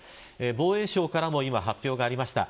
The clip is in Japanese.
防衛省からも今、発表がありました。